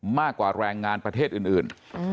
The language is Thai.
มากกว่าแรงงานประเทศอื่น